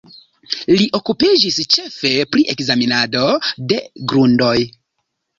Li okupiĝis ĉefe pri ekzamenado de grundoj.